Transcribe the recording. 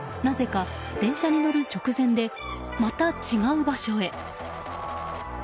なぜか電車に乗る直前でまた違う場所へ。